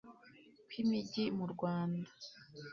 kw imigi mu rwanda